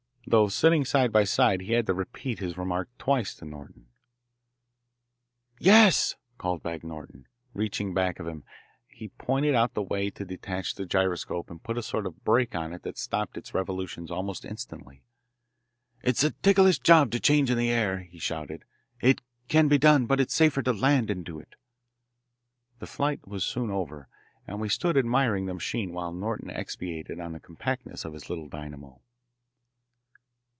Though sitting side by side he had to repeat his remark twice to Norton. "Yes," called back Norton. Reaching back of him, he pointed out the way to detach the gyroscope and put a sort of brake on it that stopped its revolutions almost instantly. "It's a ticklish job to change in the air," he shouted. "It can be done, but it's safer to land and do it." The flight was soon over, and we stood admiring the machine while Norton expatiated on the compactness of his little dynamo.